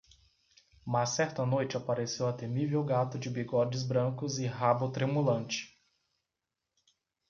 Mas certa noite apareceu a temível gata de bigodes brancos e rabo tremulante